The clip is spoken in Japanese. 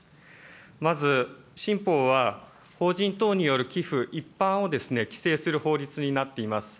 まず、新法は法人等による寄付一般を規制する法律になっています。